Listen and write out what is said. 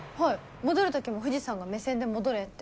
戻る時も藤さんが目線で「戻れ」って。